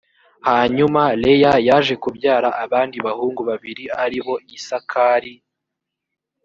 hanyuma leya yaje kubyara abandi bahungu babiri ari bo isakari